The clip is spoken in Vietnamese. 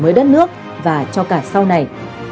đổi mới đất nước và cho cả sau này